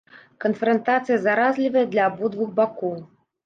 Канфрантацыя заразлівая для абодвух бакоў.